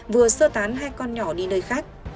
vừa sơ tán hai con nhỏ đi nơi khác